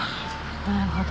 なるほど。